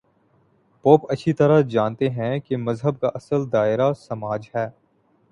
Pope اچھی طرح جانتے ہیں کہ مذہب کا اصل دائرہ سماج ہے۔